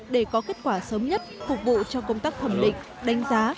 để có kết quả sớm nhất phục vụ cho công tác thẩm định đánh giá